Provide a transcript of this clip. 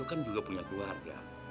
kan juga punya keluarga